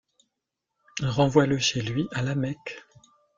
Renvoie-le chez lui à la Mecque.